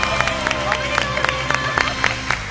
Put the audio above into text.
おめでとうございます！